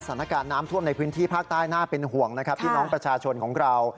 สถานการณ์น้ำท่วมในพื้นที่ภาคใต้น่าเป็นห่วงนะครับพี่น้องประชาชนของเรา